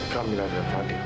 kamilah dan fadil